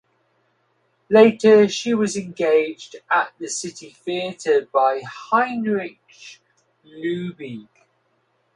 Later she was engaged at the city theater by Heinrich Laube.